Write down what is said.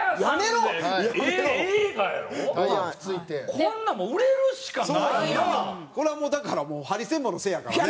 こんなんこれはだからもうハリセンボンのせいやからね。